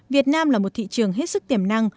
việt nam là một thị trường hết sức tiềm năng